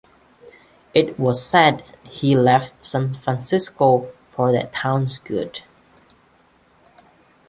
It was said he left San Francisco "for that town's good".